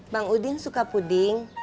bang udin suka puding